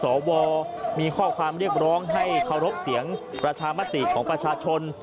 สวมีข้อความเรียกร้องให้เคารพเสียงประชามติของประชาชน